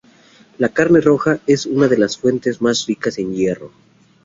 La carne roja es una de las fuentes más ricas de hierro.